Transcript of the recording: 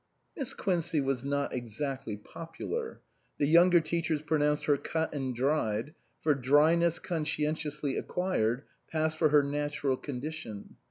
Miss Quincey was not exactly popular. The younger teachers pronounced her cut and dried ; for dryness, conscientiously acquired, passed for her natural condition.